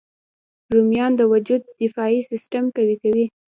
رومیان د وجود دفاعي سیسټم قوي کوي